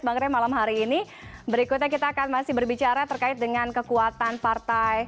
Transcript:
bang rey malam hari ini berikutnya kita akan masih berbicara terkait dengan kekuatan partai